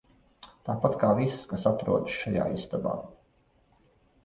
Tāpat kā viss, kas atrodas šajā istabā.